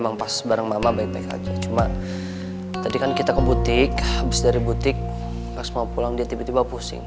memang pas bareng mama baik baik aja cuma tadi kan kita ke butik habis dari butik pas mau pulang dia tiba tiba pusing